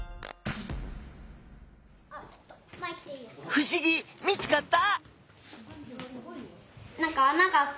ふしぎ見つかった？